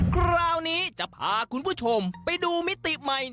คราวนี้จะพาคุณผู้ชมไปดูมิติใหม่